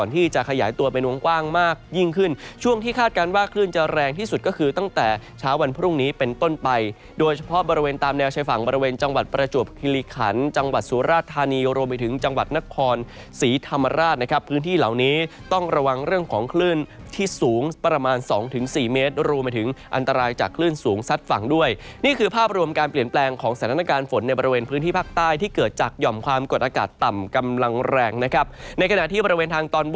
ที่จะขยายตัวเป็นวงกว้างมากยิ่งขึ้นช่วงที่คาดการณ์ว่าคลื่นจะแรงที่สุดก็คือตั้งแต่เช้าวันพรุ่งนี้เป็นต้นไปโดยเฉพาะบริเวณตามแนวชายฝั่งบริเวณจังหวัดประจวบคลิขันจังหวัดสุรทานีรวมไปถึงจังหวัดนครสีธรรมราชนะครับพื้นที่เหล่านี้ต้องระวังเรื่องของคลื่นที่สูงประมาณสองถึง